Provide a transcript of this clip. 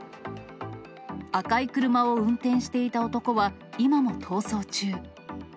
赤い車を運転していた男は、今も逃走中。